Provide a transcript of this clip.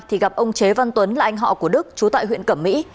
thì gặp ông chế văn tuấn là anh họ của đức chú tại huyện cẩm mỹ